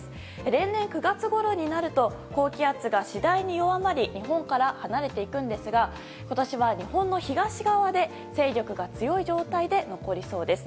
例年、９月ごろになると高気圧が次第に弱まり日本から離れていくんですが今年は、日本の東側で勢力が強い状態で残りそうです。